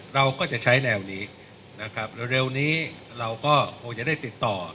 เราก็จะใช้แนวนี้นะครับเร็วนี้เราก็คงจะได้ติดต่อ